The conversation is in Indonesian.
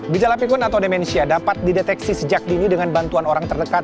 gejala pikun atau demensia dapat dideteksi sejak dini dengan bantuan orang terdekat